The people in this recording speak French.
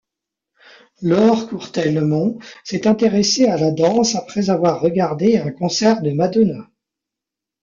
Laure Courtellemont s’est intéressée à la danse après avoir regardé un concert de Madonna.